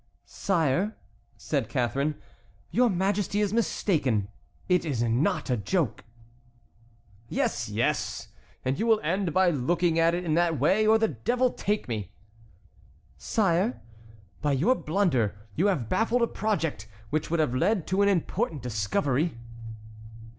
"Sire," said Catharine, "your Majesty is mistaken; it is not a joke." "Yes, yes! and you will end by looking at it in that way, or the devil take me!" "Sire, by your blunder you have baffled a project which would have led to an important discovery."